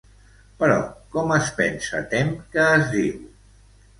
Però, com es pensa Tem que es diu?